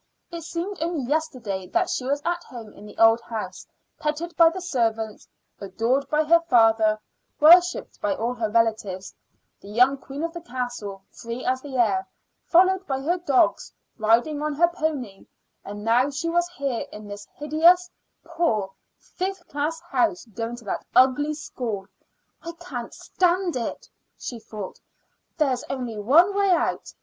It seemed only yesterday that she was at home in the old house, petted by the servants, adored by her father, worshipped by all her relatives the young queen of the castle, free as the air, followed by her dogs, riding on her pony and now she was here in this hideous, poor, fifth class house, going to that ugly school. "I can't stand it," she thought. "There's only one way out.